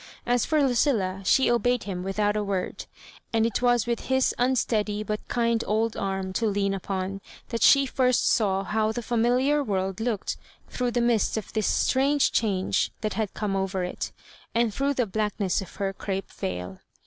As for Lucilla^ she obeyed him without a word ; and it was with his unsteady but kind old arm to lean upon that she first saw how the familiar, world looked through the mist of tiiis strange change that had come over it, and through the blackness of her crape veil.